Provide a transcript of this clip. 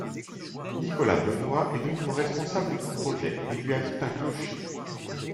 Nicolas Benois est de nouveau responsable du projet et lui ajoute un clocher.